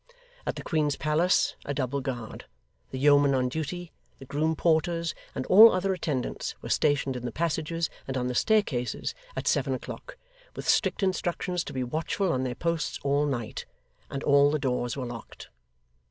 At the Queen's palace, a double guard, the yeomen on duty, the groom porters, and all other attendants, were stationed in the passages and on the staircases at seven o'clock, with strict instructions to be watchful on their posts all night; and all the doors were locked.